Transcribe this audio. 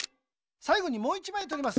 さいごにもう１まいとります。